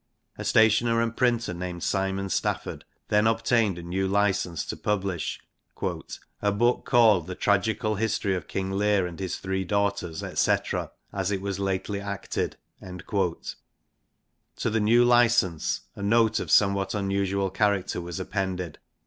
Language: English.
A stationer and printer named Simon Stafford then obtained a new license to publish * A booke called The Tragecall Historic of Kinge Leir and his Three Daughters^ &9V., as it was lately acted.' To the new license a note of somewhat unusual character was appended.